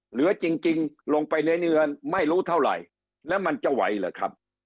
เหลือจริงลงไปในเนื้อไม่รู้เท่าไหร่แล้วมันจะไหวเหรอครับ